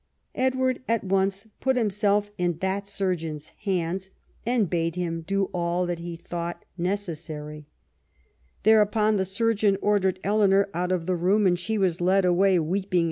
Edward at once put himself in that surgeon's hands and bade him do all that he thought necessary. Thereupon the surgeon ordered Eleanor out of the room, and she was led away weeping and wailing.